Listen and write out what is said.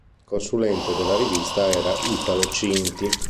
Consulente della rivista era Italo Cinti.